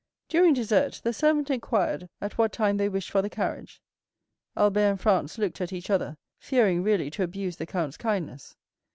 During dessert, the servant inquired at what time they wished for the carriage. Albert and Franz looked at each other, fearing really to abuse the count's kindness.